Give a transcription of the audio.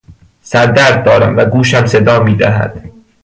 سردرد دارم و گوشم صدا میدهد.